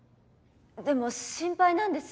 でも心配なんです